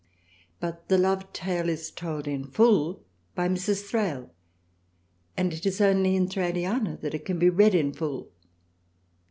But the love tale is told in full by Mrs. Thrale and it is only in Thraliana that it can be read in full.